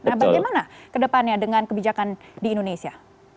nah bagaimana kedepannya dengan kebijakan di indonesia